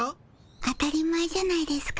当たり前じゃないですか。